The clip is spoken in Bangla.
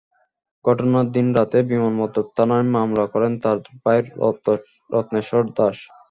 ঘটনার দিন রাতে বিমানবন্দর থানায় মামলা করেন তাঁর ভাই রত্নেশ্বর দাশ।